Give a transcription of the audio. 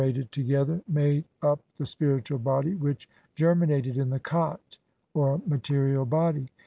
XCI ated together made up the spiritual body which "ger minated" in the kkat or material body.